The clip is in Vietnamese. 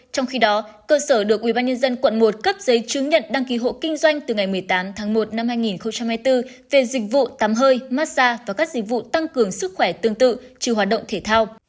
trong khi đó cơ sở được ubnd quận một cấp giấy chứng nhận đăng ký hộ kinh doanh từ ngày một mươi tám tháng một năm hai nghìn hai mươi bốn về dịch vụ tắm hơi massage và các dịch vụ tăng cường sức khỏe tương tự trừ hoạt động thể thao